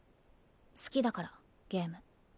好きだからゲーム。